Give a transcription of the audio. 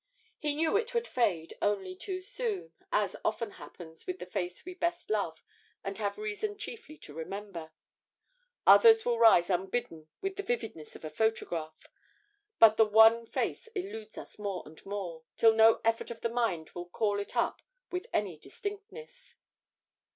He knew it would fade only too soon, as often happens with the face we best love and have reason chiefly to remember. Others will rise unbidden with the vividness of a photograph, but the one face eludes us more and more, till no effort of the mind will call it up with any distinctness.